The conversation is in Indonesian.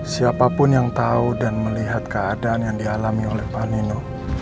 siapapun yang tau dan melihat keadaan yang dialami oleh panino